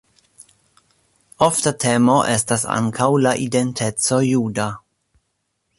Ofta temo estas ankaŭ la identeco juda.